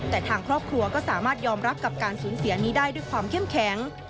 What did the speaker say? แต่ทางครอบครัวก็สามารถยอมรับกับการสูญเสียนี้ได้ด้วยความเข้มแข็ง